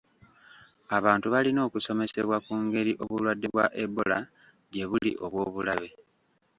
Abantu balina okusomesebwa ku ngeri obulwadde bwa Ebola gye buli obw'obulabe.